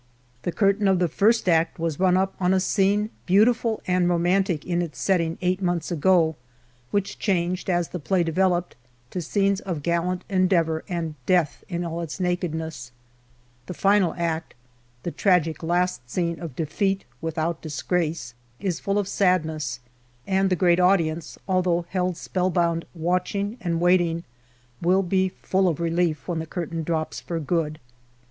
The curtain of the first act was rung up on a scene beautiful and romantic in its setting eight months ago, which changed, as the play developed, to scenes of gallant endeavour and Death in all his nakedness. The final act, the tragic last scene of defeat without disgrace, is full of sadness, and the great audience, although held spellbound watching and waiting, will be full of relief when the curtain drops for good.